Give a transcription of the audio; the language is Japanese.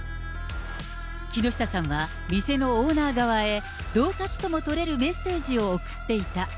木下さんは店のオーナー側へ、どう喝とも取れるメッセージを送っていた。